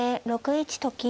６一と金。